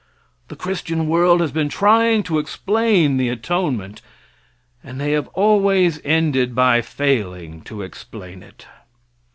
The Christian world has been trying to explain the atonement, and they have always ended by failing to explain it.